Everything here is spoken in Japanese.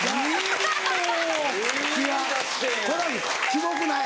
これはキモくない。